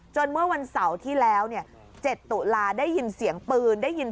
จนเมื่อวันเศร้าที่แล้วเนี่ยเจ็ดตุลาได้ยินเสียงปืน